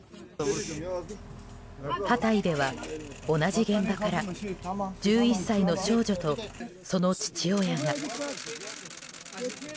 ハタイでは、同じ現場から１１歳の少女とその父親が。